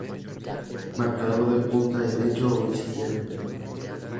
Marcador de punta derecho o izquierdo.